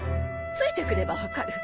ついてくれば分かる。